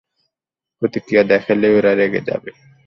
প্রতিক্রিয়া দেখালেই ওরা রেগে যাবে!